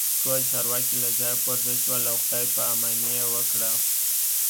ټول چارواکي له ځایه پورته شول او خداي پاماني یې وکړه